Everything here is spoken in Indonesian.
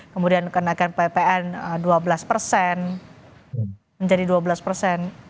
kemudian kenaikan ppn dua belas persen menjadi dua belas persen